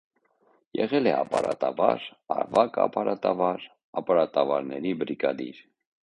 Եղել է ապարատավար, ավագ ապարատավար, ապարատավարների բրիգադիր։